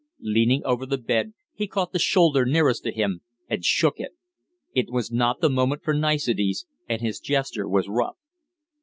Leaning over the bed, he caught the shoulder nearest to him and shook it. It was not the moment for niceties, and his gesture was rough.